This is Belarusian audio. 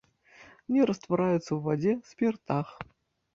Не раствараецца ў вадзе, спіртах.